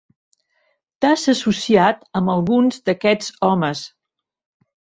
T'has associat amb alguns d'aquests homes.